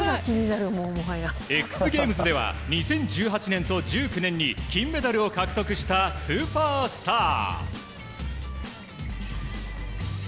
ＸＧａｍｅｓでは２０１８年と１９年に金メダルを獲得したスーパースター。